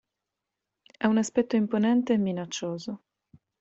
Ha un aspetto imponente e minaccioso.